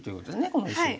この石を。